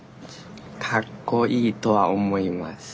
かっこいいとは思います。